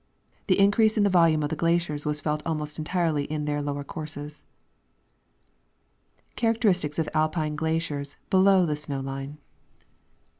The increase in the volume of the glaciers was felt almost entirely in their lower courses. Characteristics of Alpine Glaciers below the Snow Ltne.